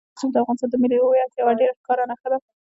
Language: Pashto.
رسوب د افغانستان د ملي هویت یوه ډېره ښکاره نښه ده.